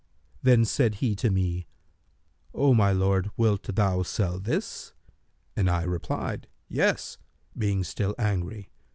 Then said he to me, 'O my lord, wilt thou sell this?'; and I replied, 'Yes,' being still angry.